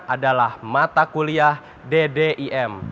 adalah mata kuliah ddim